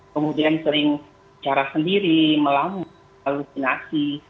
kemudian sering secara sendiri melanggar halusinasi